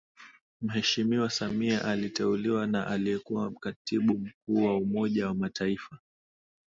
Mheshimiwa Samia aliteuliwa na aliyekuwa Katibu Mkuu wa Umoja wa Mataifa